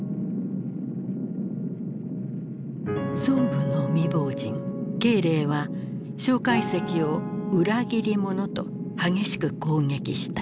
孫文の未亡人慶齢は介石を「裏切り者」と激しく攻撃した。